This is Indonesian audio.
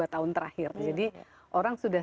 dua tahun terakhir jadi orang sudah